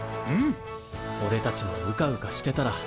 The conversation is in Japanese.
おれたちもうかうかしてたら。